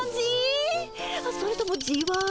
それともじわ？